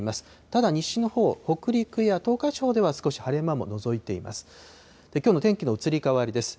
ただ西のほう、北陸や東海地方では、少し晴れ間ものぞいています。